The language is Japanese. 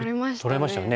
取れましたよね。